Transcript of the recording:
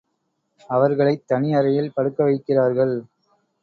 அவர்களைத் தனி அறையில் படுக்கவைக்கிறார்கள்.